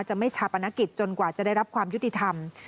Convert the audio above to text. ไม่ชาปนกิจจนกว่าจะได้รับความยุติธรรม